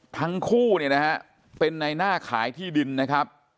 ทั้งคู่เนี่ยนะฮะเป็นในหน้าขายที่ดินนะครับ